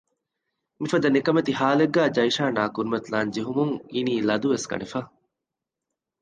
މިފަދަ ނިކަމެތި ހާލެއްގައި ޖަައިޝާން އާ ކުރިމަތިލާން ޖެހުމުން އިނީ ލަދުވެސް ގަނެފަ